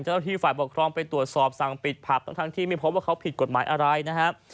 ที่ฝ่ายปกครองไปตรวจสอบสั่งปิดผับทั้งที่ไม่พบว่าเขาผิดกฎหมายอะไรนะครับ